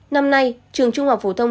năm nay trường trung học phổ thông